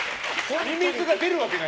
ミミズが出るわけない。